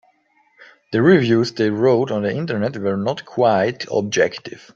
The reviews they wrote on the Internet were not quite objective.